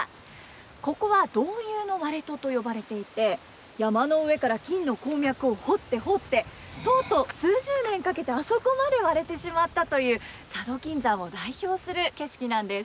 ここは「道遊の割戸」と呼ばれていて山の上から金の鉱脈を掘って掘ってとうとう数十年かけてあそこまで割れてしまったという佐渡金山を代表する景色なんです。